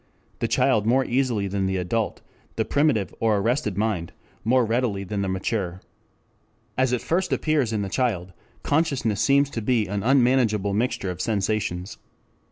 ] the child more easily than the adult, the primitive or arrested mind more readily than the mature. As it first appears in the child, consciousness seems to be an unmanageable mixture of sensations.